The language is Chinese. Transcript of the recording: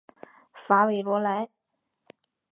法韦罗莱。